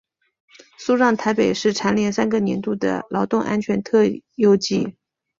苏让台北市蝉联三个年度的劳动安全特优纪。